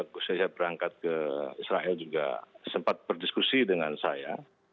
khususnya saya berangkat ke israel juga sempat berdiskusi dengan saya